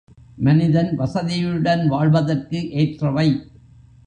மனிதன் வசதியுடன் வாழ்வதற்கு ஏற்றவை.